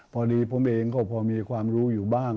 พอดีผมเองก็พอมีความรู้อยู่บ้าง